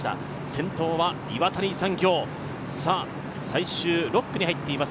先頭は岩谷産業、最終６区に入っています。